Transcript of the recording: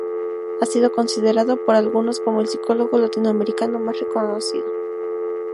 Ha sido considerado por algunos como el psicólogo latinoamericano más reconocido.